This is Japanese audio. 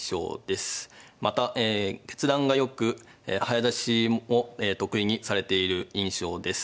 また決断がよく早指しも得意にされている印象です。